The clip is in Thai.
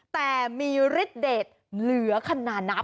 แต่มีฤทธิเดชเหลือขนาดนับ